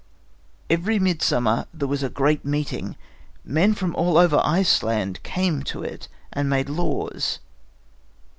Every midsummer there was a great meeting. Men from all over Iceland came to it and made laws.